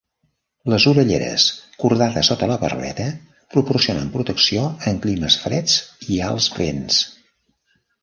Les orelleres, cordades sota la barbeta, proporcionen protecció en climes freds i alts vents.